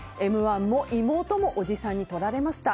「Ｍ‐１」も妹もおじさんにとられました。